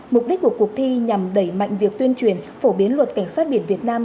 mục đích của cuộc thi nhằm đẩy mạnh việc tuyên truyền phổ biến luật cảnh sát biển việt nam